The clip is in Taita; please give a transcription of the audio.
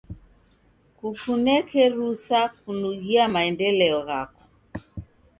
Kukuneke rusa kunughia maendeleo ghako.